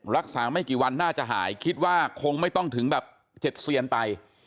รักษาไม่กี่วันน่าจะหายคิดว่าคงไม่ต้องถึงแบบ๗เซียนไป